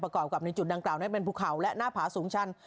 ประกอบกับในจุดดังกล่าวนั้นเป็นภูเขาและหน้าผาสูงชัน